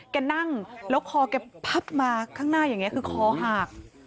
นั่งแล้วคอแกพับมาข้างหน้าอย่างนี้คือคอหัก